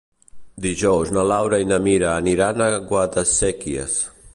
Dijous na Laura i na Mira aniran a Guadasséquies.